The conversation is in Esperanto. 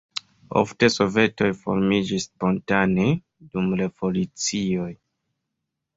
Ofte sovetoj formiĝis spontane dum revolucioj.